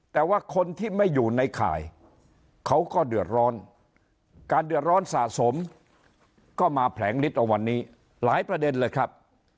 แต่ว่าคนที่ไม่อยู่ในข่ายเขาก็เดือดร้อนการเดือดร้อนสะสมก็มาแผลงฤทธิเอาวันนี้หลายประเด็นเลยครับ